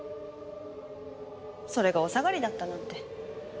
それがお下がりだったなんて。